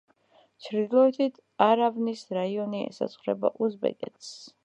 ჩრდილოეთით, არავნის რაიონი ესაზღვრება უზბეკეთს.